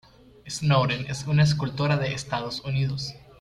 Snowden es una escultora de Estados Unidos.